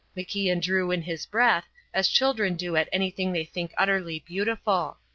MacIan drew in his breath, as children do at anything they think utterly beautiful.